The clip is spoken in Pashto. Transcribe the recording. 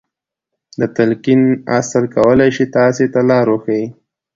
د تلقين اصل کولای شي تاسې ته لار وښيي.